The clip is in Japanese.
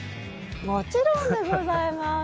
もちろんでございます。